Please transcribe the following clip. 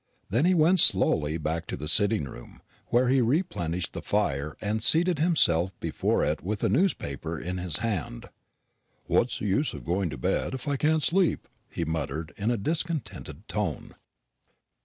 Then he went slowly back to the sitting room, where he replenished the fire, and seated himself before it with a newspaper in his hand. "What's the use of going to bed, if I can't sleep?" he muttered, in a discontented tone.